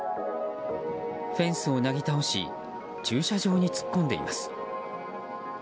フェンスをなぎ倒し駐車場に突っ込んでいます。